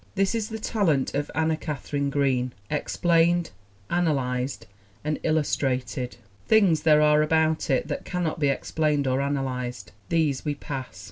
That is the talent of Anna Katharine Green, ex plained, analyzed and illustrated. Things there are about it that cannot be explained or analyzed. These we pass.